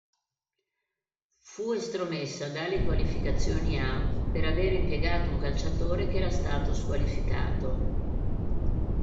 Fu estromessa dalle qualificazioni a per aver impiegato un calciatore che era stato squalificato.